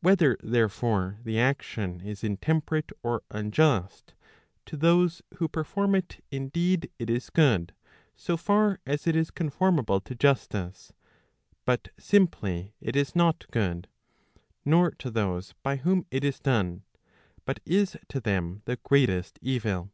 Whether therefore, the action is intemperate or unjust, to those who perform it indeed it is good, so far as it is conformable to justice, but simply it is not good, nor to those by whom it is done, but is to them the greatest evil.